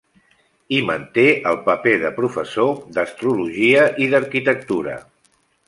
Hi manté el paper de professor, d'astrologia i d'arquitectura.